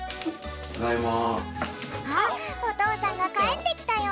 あっおとうさんがかえってきたよ。